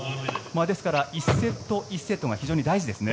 ですから、１セット１セットが非常に大事ですね。